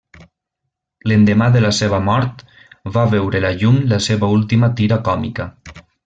L'endemà de la seva mort va veure la llum la seva última tira còmica.